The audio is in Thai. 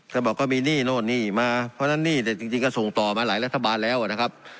บอกก็มีหนี้โน่นหนี้มาเพราะฉะนั้นหนี้แต่จริงก็ส่งต่อมาหลายรัฐบาลแล้วนะครับ